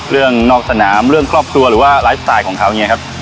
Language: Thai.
เรื่องนอกสนามเรื่องกลอบตัวหรือว่าไลฟ์สไตล์ของเขาอย่างเงี้ยครับ